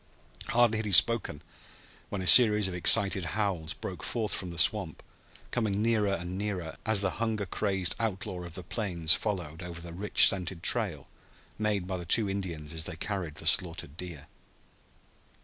Hardly had he spoken when a series of excited howls broke forth from the swamp, coming nearer and nearer as the hunger crazed outlaw of the plains followed over the rich scented trail made by the two Indians as they carried the slaughtered deer.